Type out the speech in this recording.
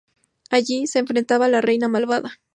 Allí, se enfrenta a la Reina Malvada.